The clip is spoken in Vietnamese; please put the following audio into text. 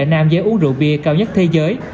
tỷ lệ nam giới uống rượu bia cao nhất thế giới